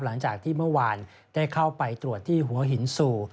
หลังจากที่เมื่อวานได้เข้าไปตรวจที่หัวหินสู่